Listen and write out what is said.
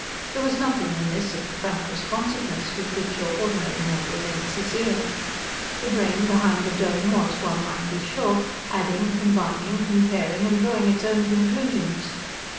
There was nothing in this of the frank responsiveness with which your ordinary mortal lends his ear. The brain behind the dome was, one might be sure, adding, combining, comparing, and drawing its own conclusions.